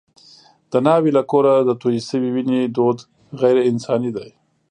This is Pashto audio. د ناوې له کوره د تویې شوې وینې دود غیر انساني دی.